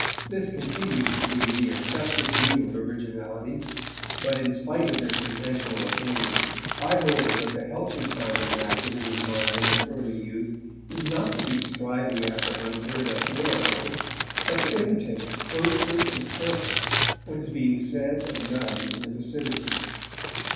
This continues to be the accepted view of originality; but, in spite of this conventional opinion, I hold that the healthy sign of an activity of mind in early youth is not to be striving after unheard of miracles, but to imitate closely and carefully what is being said and done in the vicinity.